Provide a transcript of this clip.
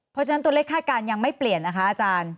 เพราะฉะนั้นตัวเลขคาดการณ์ยังไม่เปลี่ยนนะคะอาจารย์